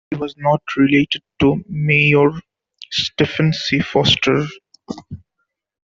He was not related to mayor Stephen C. Foster.